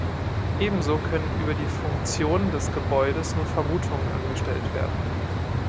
Ebenso können über die Funktion des Gebäudes nur Vermutungen angestellt werden.